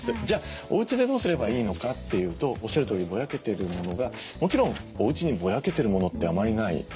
じゃあおうちでどうすればいいのかというとおっしゃるとおりぼやけてるものがもちろんおうちにぼやけてるものってあまりない。